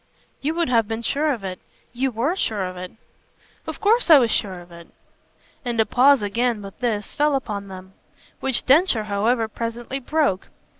You would have been sure of it. You WERE sure of it." "Of course I was sure of it." And a pause again, with this, fell upon them; which Densher, however, presently broke.